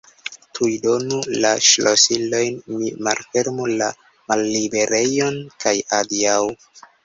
Tuj donu la ŝlosilojn, ni malfermu la malliberejon kaj adiaŭ!